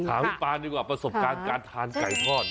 ถามพี่ปานดีกว่าประสบการณ์การทานไก่ทอด